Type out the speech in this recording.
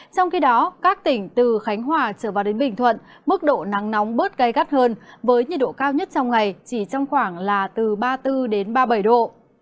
trong khi đó các tỉnh từ khánh hòa trở vào đến bình thuận mức độ nắng nóng bớt gây gắt hơn với nhiệt độ cao nhất trong ngày chỉ trong khoảng là từ ba mươi bốn đến ba mươi bảy độ